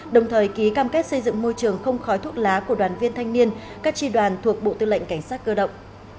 đồng thời ký cam kết xây dựng môi trường không khói thuốc lá của đoàn viên thanh niên các tri đoàn thuộc bộ tư lệnh cảnh sát cơ động